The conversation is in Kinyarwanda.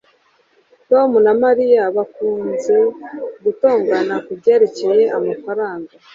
tom na mariya bakunze gutongana kubyerekeye amafaranga